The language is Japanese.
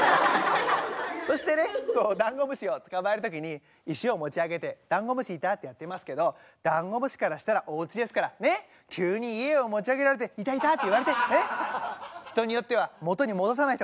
そしてねダンゴムシを捕まえる時に石を持ち上げて「ダンゴムシいた」ってやってますけどダンゴムシからしたらおうちですから急に家を持ち上げられて「いたいた」って言われて人によっては元に戻さない人がいるからね。